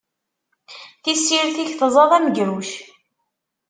Tissirt-ik tẓad amegruc.